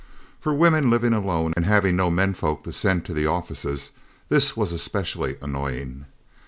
For women living alone and having no menfolk to send to the offices, this was especially annoying.